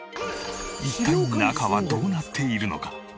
一体中はどうなっているのか？